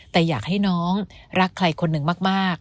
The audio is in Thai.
แต่อยากให้น้องรักใครคนหนึ่งมาก